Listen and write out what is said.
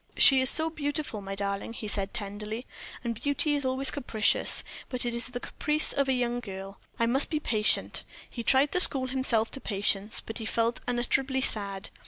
"She is so beautiful, my darling," he said, tenderly, "and beauty is always capricious; it is but the caprice of a young girl. I must be patient." He tried to school himself to patience, but he felt unutterably sad.